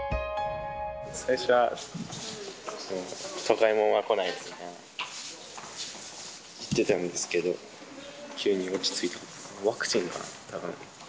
最初は、都会もんは来ないでって言ってたんですけど、急に落ち着いた、ワクチンかな、たぶん。